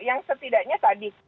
yang setidaknya tadi